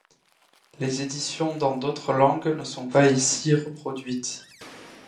Les éditions dans d'autres langues ne sont pas ici reproduites.